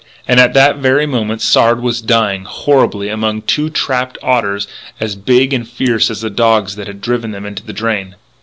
And at that very moment Sard was dying, horribly, among two trapped otters as big and fierce as the dogs that had driven them into the drain.